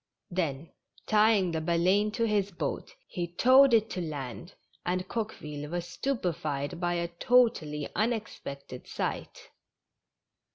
Then, tying the Baleine to his boat, he towed it to land, and Coqueville was stupe fied by a totally unexpected sight.